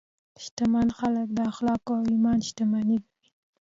شتمن خلک د اخلاقو او ایمان شتمن ګڼي.